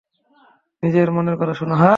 নিজের মনের কথা শোন।